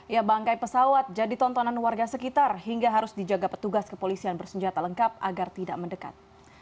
ya bangkai pesawat jadi tontonan warga sekitar hingga harus dijaga petugas kepolisian bersenjata lengkap agar tidak mendekat